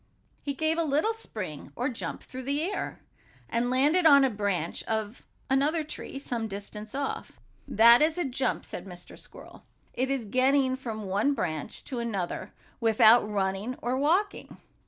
He gave a little spring, or jump, through the air, and landed on the branch of another tree, some distance off. "That is a jump," said Mr. Squirrel. "It is getting from one branch to another without running or walking.